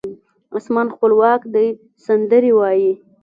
اسمان خپلواک دی سندرې وایې